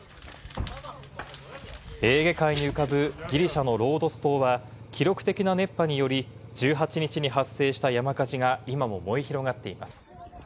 エーゲ海に浮かぶギリシャのロードス島は記録的な熱波により、１８日に発生した山火事が今も燃え広がっています。